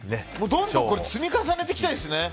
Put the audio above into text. どんどんこれ積み重ねていきたいですね。